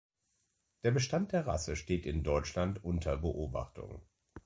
Der Bestand der Rasse steht in Deutschland unter Beobachtung.